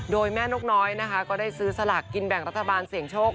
โดยแม่นกน้อยนะคะก็ได้ซื้อสลากกินแบ่งรัฐบาลเสี่ยงโชค